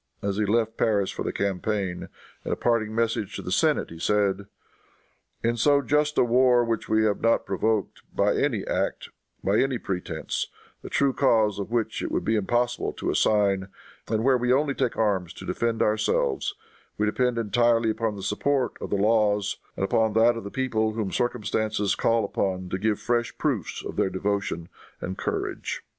As he left Paris for the campaign, in a parting message to the senate he said, "In so just a war, which we have not provoked by any act, by any pretense, the true cause of which it would be impossible to assign, and where we only take arms to defend ourselves, we depend entirely upon the support of the laws, and upon that of the people whom circumstances call upon to give fresh proofs of their devotion and courage."